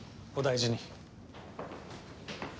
お大事に。